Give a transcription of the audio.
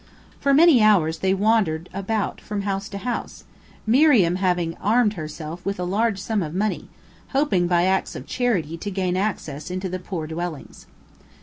For many hours they wandered about from house to house, Miriam having armed herself with a large sum of money, hoping by acts of charity to gain access into the poor dwellings.